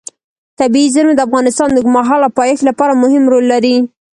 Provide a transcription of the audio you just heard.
طبیعي زیرمې د افغانستان د اوږدمهاله پایښت لپاره مهم رول لري.